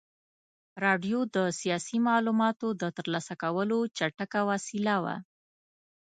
راډیو د سیاسي معلوماتو د ترلاسه کولو چټکه وسیله وه.